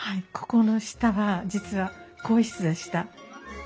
ここの下は実は更衣室でした。